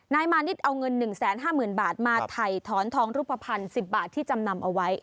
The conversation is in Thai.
มานิดเอาเงิน๑๕๐๐๐บาทมาถ่ายถอนทองรูปภัณฑ์๑๐บาทที่จำนำเอาไว้